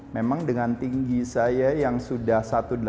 memang dengan tinggi saya yang sudah satu ratus delapan puluh tiga